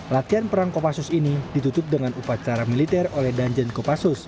latihan perang kopassus ini ditutup dengan upacara militer oleh danjen kopassus